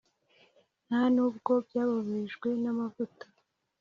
, nta n’ubwo byabobejwe n’amavuta